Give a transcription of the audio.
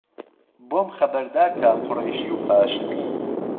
بۆم خهبەردارکه قوڕهیشی و هاشمی